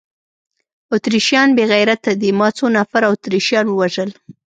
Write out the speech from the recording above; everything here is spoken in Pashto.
اتریشیان بې غیرته دي، ما څو نفره اتریشیان ووژل؟